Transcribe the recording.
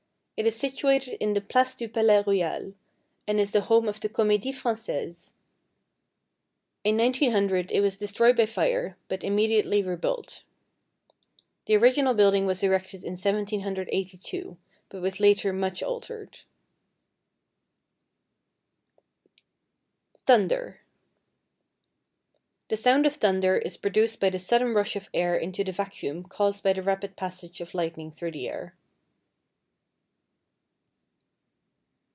It is situated in the Place du Palais Royal, and is the home of the Comédie Française. In 1900 it was destroyed by fire, but immediately rebuilt. The original building was erected in 1782, but was later much altered. =Thunder.= The sound of thunder is produced by the sudden rush of the air into the vacuum caused by the rapid passage of lightning through the air.